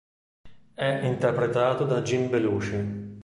È interpretato da Jim Belushi.